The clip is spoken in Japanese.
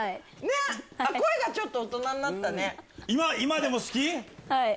声がちょっと大人になったね。